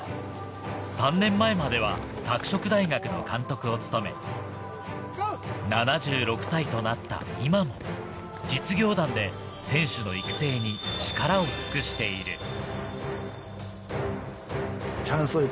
３年前までは拓殖大学の監督を務め、７６歳となった今も、実業団で選手の育成に力を尽くしている。